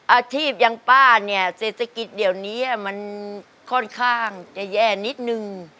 อาชีพอย่างป้าเนี่ยเศรษฐกิจเดี๋ยวนี้มันค่อนข้างจะแย่นิดนึง